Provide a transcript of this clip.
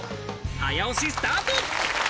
早押しスタート。